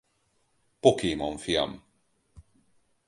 Pokémon film.